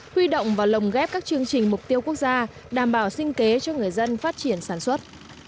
huy động và lồng ghép các chương trình mục tiêu quốc gia đảm bảo sinh kế cho người dân phát triển sản xuất